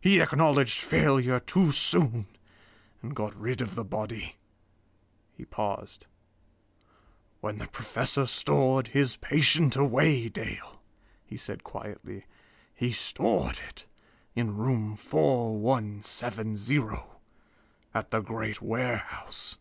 He acknowledged failure too soon, and got rid of the body." He paused. "When the Professor stored his patient away, Dale," he said quietly, "he stored it in room 4170, at the great warehouse.